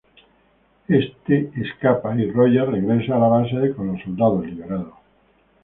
Este escapa y Rogers regresa a la base con los soldados liberados.